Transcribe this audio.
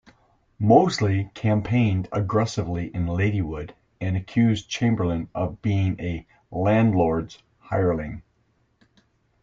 Mosley campaigned aggressively in Ladywood; and accused Chamberlain of being a "landlords' hireling".